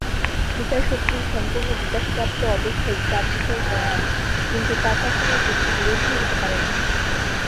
বিচার-শক্তির সম্পূর্ণ বিকাশপ্রাপ্ত অবস্থাই প্রাতিভ জ্ঞান, কিন্তু তা কখনও যুক্তিবিরোধী হতে পারে না।